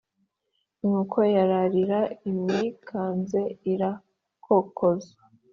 inkoko yarariraga imwikanze irakokoza.